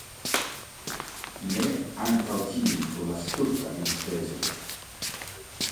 Ne antaŭtimi pro la stulta enspezo .